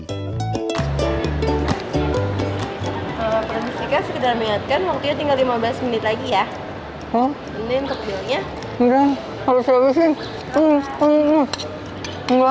produce x sudah mengingatkan waktunya tinggal lima belas menit lagi ya